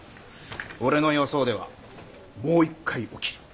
俺の予想ではもう一回起きる。